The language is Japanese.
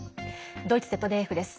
ドイツＺＤＦです。